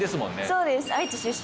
そうです。